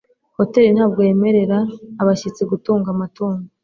Hoteri ntabwo yemerera abashyitsi gutunga amatungo